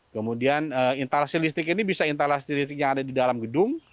kemudian instalasi listrik ini bisa instalasi listrik yang ada di dalam gedung